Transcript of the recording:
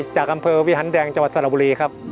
จากอำเภอวิหารแดงจังหวัดสระบุรีครับ